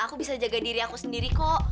aku bisa jaga diri aku sendiri kok